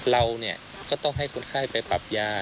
เราก็ต้องให้คนไข้ไปปรับยา